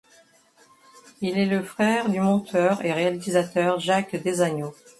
Il est le frère du monteur et réalisateur Jacques Desagneaux.